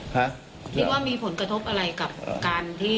คิดว่ามีผลกระทบอะไรกับการที่